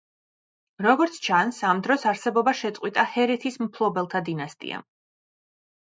როგორც ჩანს, ამ დროს არსებობა შეწყვიტა ჰერეთის მფლობელთა დინასტიამ.